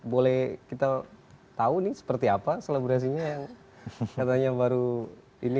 boleh kita tahu nih seperti apa selebrasinya yang katanya baru ini